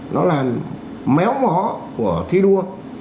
nó làm méo mó của thi đua